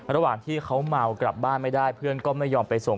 ระหว่างที่เขาเมากลับบ้านไม่ได้เพื่อนก็ไม่ยอมไปส่ง